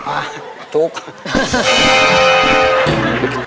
อ่าทุกข์